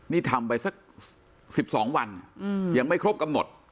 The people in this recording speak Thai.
นี่ทำไปสัก๑๒วันยังไม่ครบกำหนด